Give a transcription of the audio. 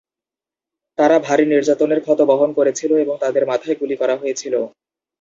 তারা ভারী নির্যাতনের ক্ষত বহন করেছিল এবং তাদের মাথায় গুলি করা হয়েছিল।